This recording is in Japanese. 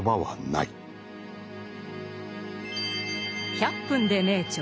「１００分ｄｅ名著」